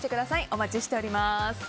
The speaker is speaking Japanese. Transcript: お待ちしています。